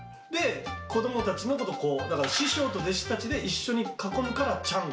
子供たちのことを「子」だから師匠と弟子たちで一緒に囲むから「ちゃんこ」。